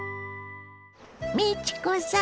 美智子さん